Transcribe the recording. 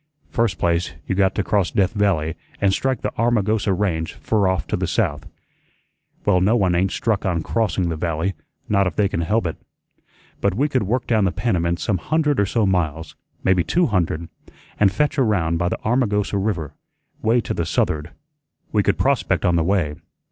First place, you got to cross Death Valley and strike the Armagosa Range fur off to the south. Well, no one ain't stuck on crossing the Valley, not if they can help it. But we could work down the Panamint some hundred or so miles, maybe two hundred, an' fetch around by the Armagosa River, way to the south'erd. We could prospect on the way.